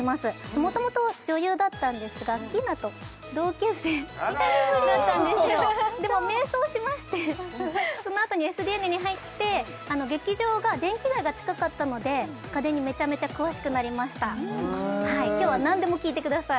もともと女優だったんですがアッキーナと同級生だったんですよでも迷走しましてそのあとにＳＤＮに入って劇場が電気街が近かったので家電にメチャメチャ詳しくなりました今日は何でも聞いてください